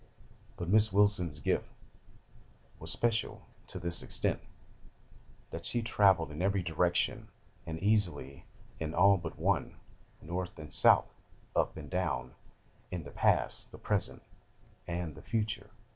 But Miss Wilson's gift was special to this extent, that she travelled in every direction, and easily in all but one, north and south, up and down, in the past, the present, and the future.